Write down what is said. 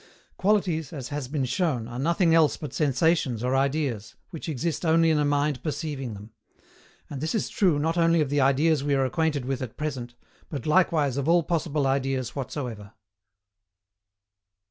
Qualities, as has been shown, are nothing else but sensations or ideas, which exist only in a mind perceiving them; and this is true not only of the ideas we are acquainted with at present, but likewise of all possible ideas whatsoever.